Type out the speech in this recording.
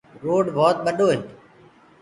روڊ ڀوت ٻڏو هي۔